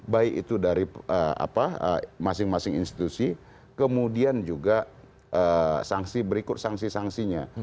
baik itu dari masing masing institusi kemudian juga sanksi berikut sanksi sanksinya